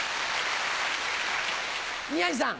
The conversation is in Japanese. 宮治さん。